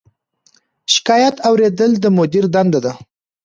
شکایت اوریدل د مدیر دنده ده